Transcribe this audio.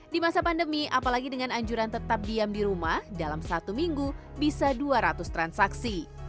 di masa pandemi apalagi dengan anjuran tetap diam di rumah dalam satu minggu bisa dua ratus transaksi